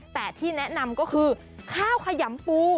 แต่ที่แนะนำก็คือข้าวขยำปู